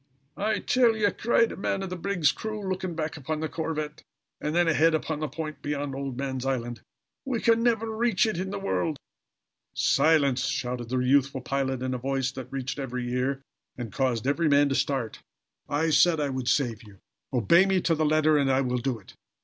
"I tell ye," cried a man of the brig's crew, looking back upon the corvette and then ahead upon the point beyond Old Man's Island, "we can never reach it in the world!" "Silence!" shouted the youthful pilot, in a voice that reached every ear, and caused every man to start. "I said I would save you. Obey me to the letter and I will do it.